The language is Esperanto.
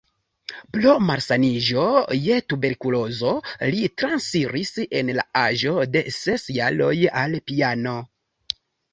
Pro malsaniĝo je tuberkulozo li transiris en la aĝo de ses jaroj al piano.